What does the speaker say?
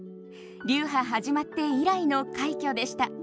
流派始まって以来の快挙でした。